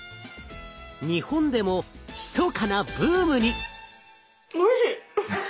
日本でもひそかなブームに！